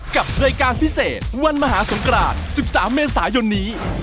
กับรายการพิเศษวันมหาสงคราน๑๓เมษายนนี้